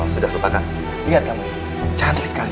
sudah kebakar lihat kamu ini cantik sekali